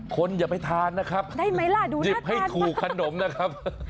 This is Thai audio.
อย่าไปทานนะครับได้ไหมล่ะหยิบให้ถูกขนมนะครับ